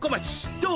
どう？